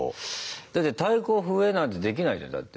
だって太鼓笛なんてできないじゃんだって。